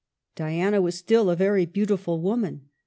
Diana was still a very beautiful woman.